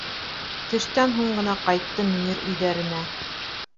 Төштән һуң ғына ҡайтты Мөнир өйҙәренә.